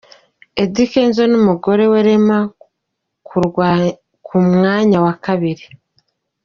Eddy Kenzo n'umugore we Rema ku mwanya wa kabiri.